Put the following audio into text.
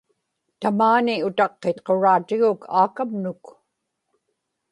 tamaani utaqqitquraatiguk aakamnuk